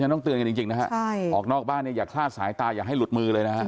ต้องเตือนกันจริงนะฮะออกนอกบ้านเนี่ยอย่าคลาดสายตาอย่าให้หลุดมือเลยนะฮะ